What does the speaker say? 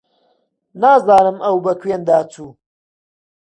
نازانم ئەو بە کوێندا چوو.